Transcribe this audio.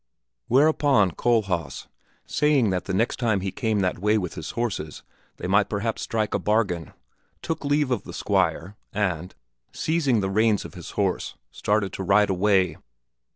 Whereupon Kohlhaas, saying that the next time he came that way with his horses they might perhaps strike a bargain, took leave of the Squire and, seizing the reins of his horse, started to ride away.